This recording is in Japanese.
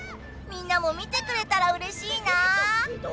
みんなも見てくれたらうれしいな！